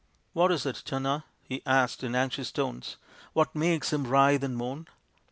" What is it, Channa ?" he asked in anxious tones. " What makes him writhe and moan ?